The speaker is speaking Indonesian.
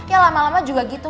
ya lama lama juga gitu